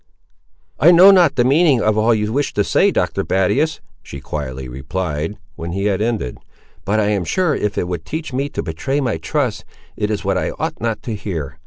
"I know not the meaning of all you wish to say, Dr. Battius," she quietly replied, when he had ended; "but I am sure if it would teach me to betray my trust, it is what I ought not to hear.